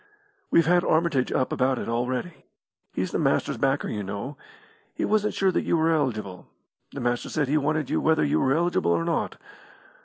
We've had Armitage up about it already. He's the Master's backer, you know. He wasn't sure that you were eligible. The Master said he wanted you whether you were eligible or not.